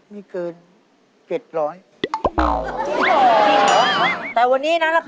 ไม่เกิน๗๐๐